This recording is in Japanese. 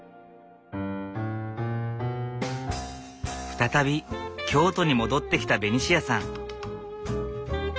再び京都に戻ってきたベニシアさん。